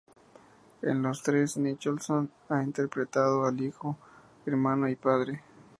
En los tres, Nicholson ha interpretado a hijo, hermano y padre.